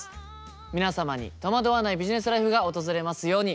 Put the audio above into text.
皆様に戸惑わないビジネスライフが訪れますように。